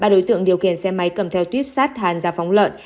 ba đối tượng điều khiển xe máy cầm theo tuyếp sát hàn ra phóng lợn